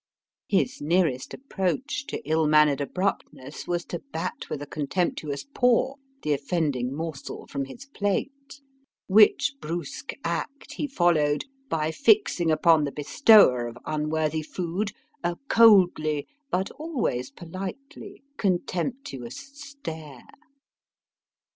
His nearest approach to ill mannered abruptness was to bat with a contemptuous paw the offending morsel from his plate; which brusque act he followed by fixing upon the bestower of unworthy food a coldly, but always politely, contemptuous stare.